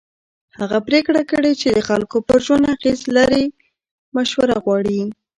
هغه پرېکړې چې د خلکو پر ژوند اغېز لري مشوره غواړي